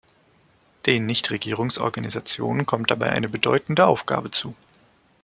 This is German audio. Den Nichtregierungsorganisationen kommt dabei eine bedeutende Aufgabe zu.